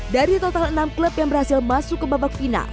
dari total enam klub yang berhasil masuk ke babak final